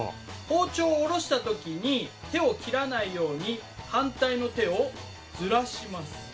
包丁を下ろした時に手を切らないように反対の手をずらします。